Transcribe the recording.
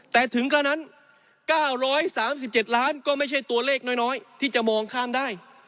แต่ถึงก็นั้น๙๓๗ล้านก็ไม่ใช่ตัวเลขน้อยที่จะมองข้ามได้